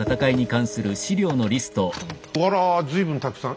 あら随分たくさん。